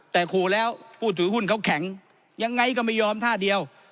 แต่ขู่แล้วผู้ถือหุ้นเขาแข็งยังไงก็ไม่ยอมท่าเดียว